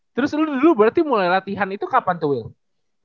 terus dulu berarti mulai latihan itu kapan tuh will